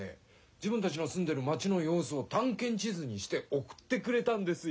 自分たちのすんでる町のようすをたんけん地図にしておくってくれたんですよ。